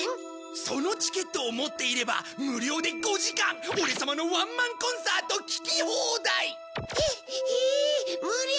そのチケットを持っていれば無料で５時間オレ様のワンマンコンサート聞き放題！へへえ無料。